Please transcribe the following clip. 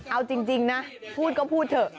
เอาจริงนะพูดก็พูดเถอะ